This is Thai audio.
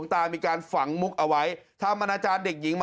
อาวาสมีการฝังมุกอาวาสมีการฝังมุกอาวาสมีการฝังมุก